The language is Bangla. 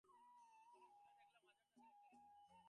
পরে খুলে দেখলেম হাজার টাকার একখানি নোট।